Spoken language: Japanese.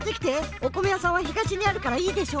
おこめやさんは東にあるからいいでしょ？